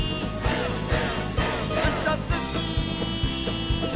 「うそつき！」